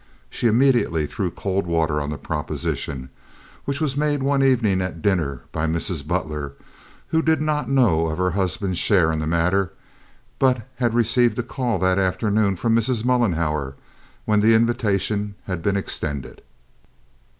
She immediately threw cold water on the proposition, which was made one evening at dinner by Mrs. Butler, who did not know of her husband's share in the matter, but had received a call that afternoon from Mrs. Mollenhauer, when the invitation had been extended.